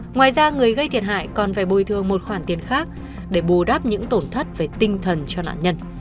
ngoài ra người gây thiệt hại còn phải bồi thường một khoản tiền khác để bù đắp những tổn thất về tinh thần cho nạn nhân